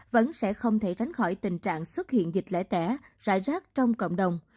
vẫn sẽ không thể tránh khỏi tình trạng xuất hiện dịch lễ tẻ rải rác trong cộng đồng